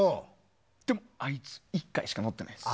でもあいつ１回しか乗ってないんです。